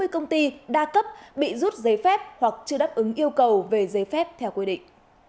ba mươi công ty đa cấp bị rút giấy phép hoặc chưa đáp ứng yêu cầu về giấy phép theo quy định